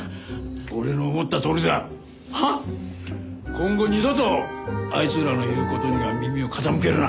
今後二度とあいつらの言う事には耳を傾けるな！